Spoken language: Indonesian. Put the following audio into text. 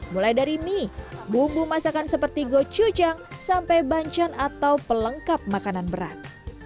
mulai dari mie bumbu masakan seperti go chujang sampai banchan atau pelengkap makanan berat